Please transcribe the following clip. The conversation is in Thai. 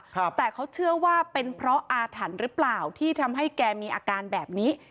แต่เขาเชื่อว่าเป็นเพราะอาถรรพ์หรือเปล่าที่ทำให้แกมีอาการแบบนี้